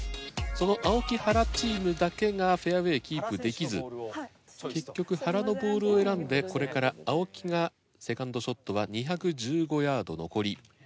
その青木・原チームだけがファエウェイキープできず結局原のボールを選んでこれから青木が２ｎｄショットは２１５ヤード残り。